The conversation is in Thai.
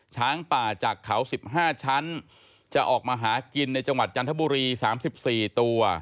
ช้างป่าจากเขา๑๕ชั้นจะออกมาหากินในจังหวัดจันทบุรี๓๔ตัว